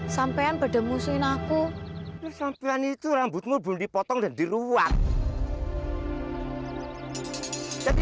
sampai jumpa di video selanjutnya